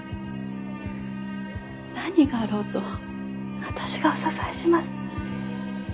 何があろうと私がお支えします。